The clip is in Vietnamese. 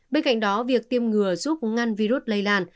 bên cạnh đó việc tiêm ngừa giúp ngăn virus lây lan